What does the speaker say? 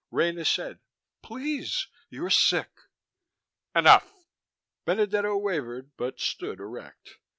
Rena said, "Please! You're sick!" "Enough." Benedetto wavered, but stood erect.